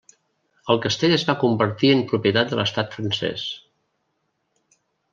El castell es va convertir en propietat de l'estat francès.